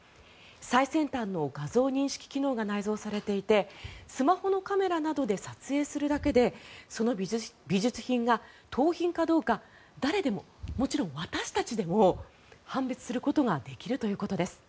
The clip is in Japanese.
最先端の画像認識機能が内蔵されていてスマホのカメラなどで撮影するだけでその美術品が盗品かどうか誰でも、もちろん私たちでも判別することができるということです。